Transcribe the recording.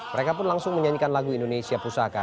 mereka pun langsung menyanyikan lagu indonesia pusaka